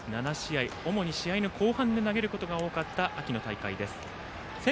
主に試合の後半で投げることの多かった秋の大会です。